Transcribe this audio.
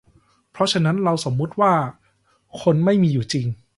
เพราะฉะนั้น เราควรสมมติว่า คนไม่มีอยู่จริง